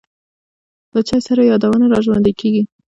له چای سره یادونه را ژوندی کېږي.